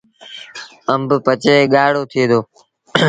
آݩب پچي ڳآڙو ٿئي دو۔